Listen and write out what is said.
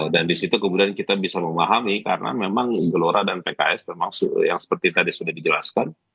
dan di situ kemudian kita bisa memahami karena memang gelora dan pks memang yang seperti tadi sudah dijelaskan